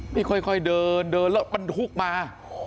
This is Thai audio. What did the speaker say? นี่ค่อยเดินแล้วปันทุกข์มา